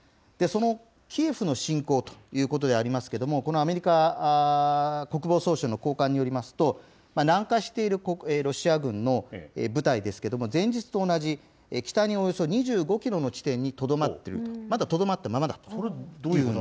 そのキエフの侵攻ということでありますけれども、このアメリカ国防総省の高官によりますと、南下しているロシア軍の部隊ですけれども、前日と同じ、北におよそ２５キロの地点に、とどまるという、まだとどまったままだと。